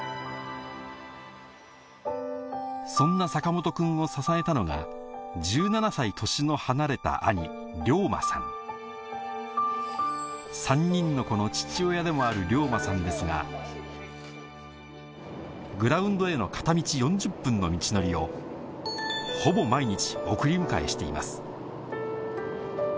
そんな坂本くんを支えたのが１７歳年の離れた兄龍馬さんでもある龍馬さんですがグラウンドへの片道４０分の道のりをほぼ毎日送り迎えしています